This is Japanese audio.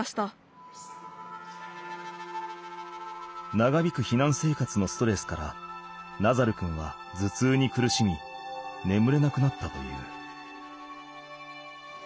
長引く避難生活のストレスからナザル君は頭痛に苦しみ眠れなくなったという。